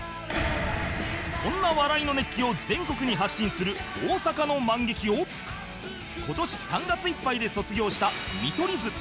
そんな笑いの熱気を全国に発信する大阪のマンゲキを今年３月いっぱいで卒業した見取り図